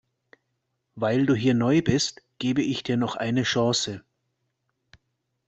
Weil du hier neu bist, gebe ich dir noch eine Chance.